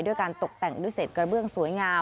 ด้วยการตกแต่งด้วยเศษกระเบื้องสวยงาม